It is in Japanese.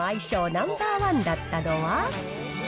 ナンバーワンだったのは。